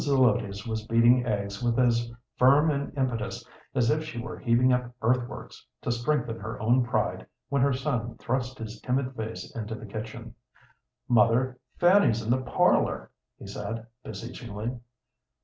Zelotes was beating eggs with as firm an impetus as if she were heaving up earth works to strengthen her own pride when her son thrust his timid face into the kitchen. "Mother, Fanny's in the parlor," he said, beseechingly.